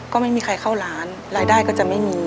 ก็ไม่มีใครเข้าร้านรายได้ก็จะไม่มี